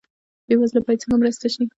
بې وزله باید څنګه مرسته شي؟